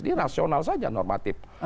ini rasional saja normatif